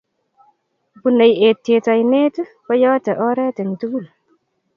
Bunei etiet oinet, koyotei oret eng tugul